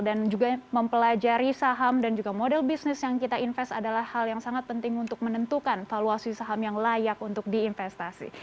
dan juga mempelajari saham dan juga model bisnis yang kita invest adalah hal yang sangat penting untuk menentukan valuasi saham yang layak untuk diinvestasi